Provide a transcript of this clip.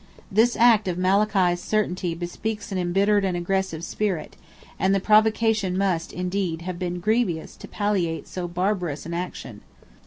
This act of Malachy's certainly bespeaks an embittered and aggressive spirit, and the provocation must, indeed, have been grievous to palliate so barbarous an action.